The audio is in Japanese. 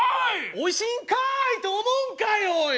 「おいしいんかい！」と思うんかいおい！